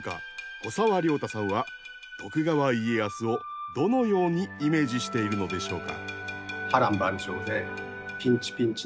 古沢良太さんは徳川家康をどのようにイメージしているのでしょうか？